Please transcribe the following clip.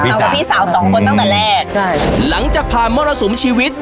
กับพี่สาวสองคนตั้งแต่แรกใช่หลังจากผ่านมรสุมชีวิต